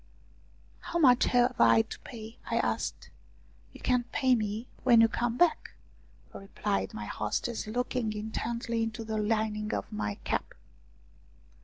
" How much have I to pay ?" I asked. " You can pay me when you come back," replied my hostess, looking intently into the lining of my cap.